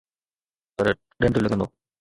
پر ڏنڊ لڳندو